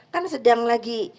kan sedang lagi